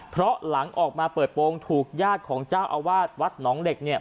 เพราะหลังออกมาเปิดโปรงถูกญาติของเจ้าอาวาสวัดหนองเหล็ก